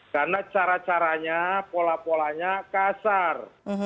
karena cara caranya pola polanya kasar